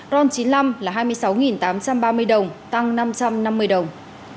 ron chín mươi năm là hai mươi sáu tám trăm ba mươi đồng tăng năm trăm năm mươi đồng